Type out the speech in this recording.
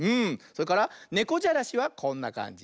それからねこじゃらしはこんなかんじ。